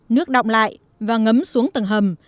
nước động lại và ngấm xuống tầng hầm